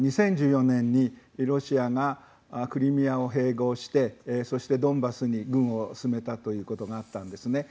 ２０１４年に、ロシアがクリミアを併合してそして、ドンバスに軍を進めたということがあったんですね。